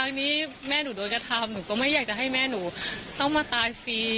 อันนี้แม่หนูโดนกระทำหนูก็ไม่อยากจะให้แม่หนูต้องมาตายฟรี